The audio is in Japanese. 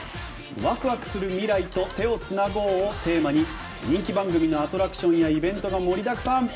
「ワクワクするミライと手をつなごう！」をテーマに人気番組のアトラクションやイベントが盛りだくさん。